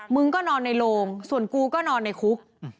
มึงก็นอนในโรงส่วนกูก็นอนในคุก